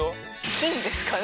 金ですかね。